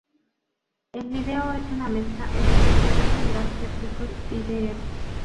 El video es una mezcla entre los videos de "Drop the Pressure" y "Dr.